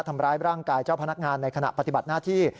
ทำร้ายร่างกายเจ้าพนักงานในขณะปฏิบัติหน้าที่